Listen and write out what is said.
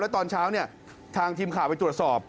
แล้วตอนเช้าเนี่ยทางทีมข่าวไปจวดสอบ